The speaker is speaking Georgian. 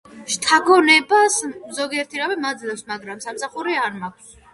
შთაგონებას ზოგიერთი რამე მაძლევს, მაგრამ სამსახური არ მაქვს.